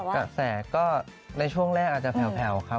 กระแสก็ในช่วงแรกอาจจะแผลวครับ